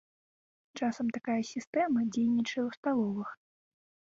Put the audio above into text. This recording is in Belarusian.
Часам такая сістэма дзейнічае ў сталовых.